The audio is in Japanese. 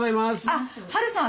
あっハルさん